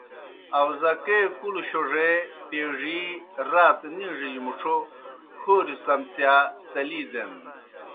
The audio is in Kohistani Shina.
آؤزکے کُلوْ شوڙے، پیڙِی، راتَ نِیڙِجیْ مُڇھو ہوریْ څمڅِیا تلی دَینَن۔